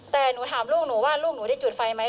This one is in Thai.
แต่หนูถามลูกหนูว่าลูกหนูได้จุดไฟไหม